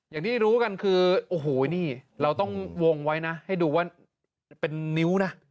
อย่างที่รู้กันคือโอ้โหนี่เราต้องวงไว้นะให้ดูว่าเป็นนิ้วนะ